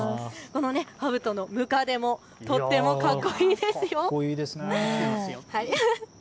かぶとのムカデもとってもかっこいいですね。